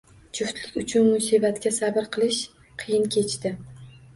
Juftlik uchun musibatga sabr qilish qiyin kechdi